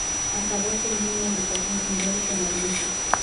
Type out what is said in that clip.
Acabó siendo una agrupación simbólica en la ermita.